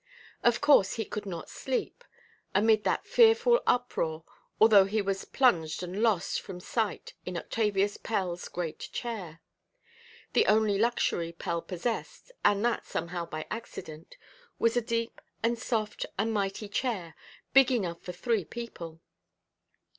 Of course he could not sleep, amid that fearful uproar, although he was plunged and lost from sight in Octavius Pellʼs great chair. The only luxury Pell possessed—and that somehow by accident—was a deep, and soft, and mighty chair, big enough for three people.